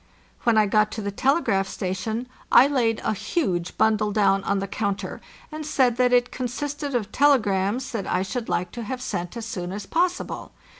When I got to the telegraph station I laid a huge bundle down on the counter, and said that it consisted of telegrams that I should hke to have sent as soon as possible.